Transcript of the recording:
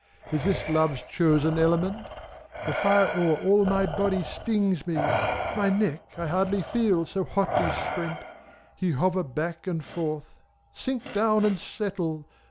Is this Love's chosen element? The fire o'er all my body stings me; My neck I scarcely feel, so hotly sprent. — Ye hover back and forth; sink down and settle!